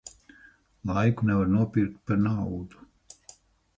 Laiku nevar nopirkt pa naudu.